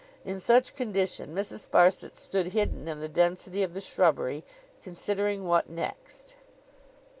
In such condition, Mrs. Sparsit stood hidden in the density of the shrubbery, considering what next?